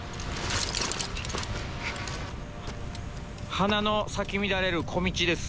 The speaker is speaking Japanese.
花の咲き乱れる小道です。